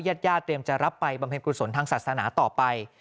ญาติญาติเตรียมจะรับไปบำเพ็ญกุศลทางศาสนาต่อไป